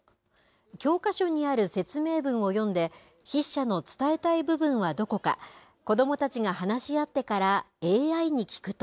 教科書にある説明文を読んで、筆者の伝えたい部分はどこか、子どもたちが話し合ってからＡＩに聞くと。